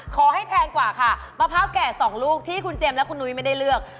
แพงกว่าค่ะมะพร้าวแก่๒ลูกที่คุณเจมส์และคุณนุ้ยไม่ได้เลือก